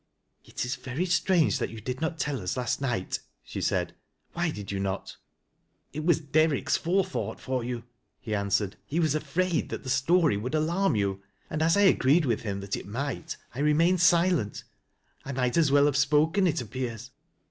" It is very strange that you did not tell us last night," she said ;" why did you not ?"" It was Derrick's forethought for you," he answered. "He was afraid that the story would alarm you, and as I agreed with him that it might, I remained silent. I might as well have spoken, it appears."